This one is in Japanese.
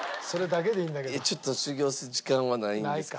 ちょっと修業する時間はないんですけども。